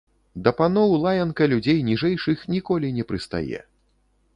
Да паноў лаянка людзей ніжэйшых ніколі не прыстае.